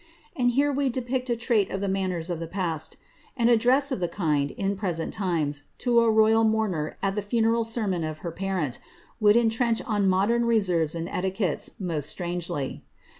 And here we depict a trait of the manners of the past ; an address of the kind« in the present times, to a royal mourner at the funeral sermon of her parent, would entrench on modern reserves and etiquettes most straniiely.